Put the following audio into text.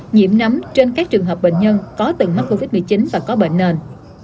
nhiễm nắm trên các trường hợp bệnh nhân có từng mắc covid một mươi chín và có bệnh nền